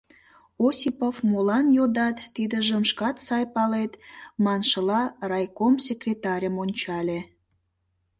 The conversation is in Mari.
Осипов «молан йодат, тидыжым шкат сай палет», маншыла райком секретарьым ончале.